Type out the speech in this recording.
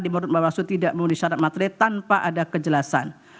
menurut bawaslu tidak memenuhi syarat materi tanpa ada kejelasan